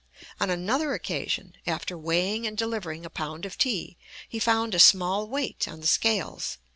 On another occasion, after weighing and delivering a pound of tea, he found a small weight on the scales.